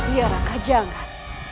ya raka jangan